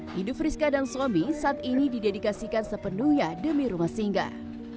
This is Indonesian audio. hidup rizka dan suami saat ini didedikasikan sepenuhnya demi rumah singgah